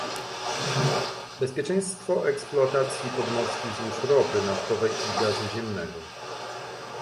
Bezpieczeństwo eksploatacji podmorskich złóż ropy naftowej i gazu ziemnego